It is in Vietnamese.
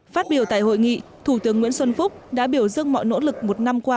phát biểu tại hội nghị thủ tướng nguyễn xuân phúc đã biểu dương mọi nỗ lực một năm qua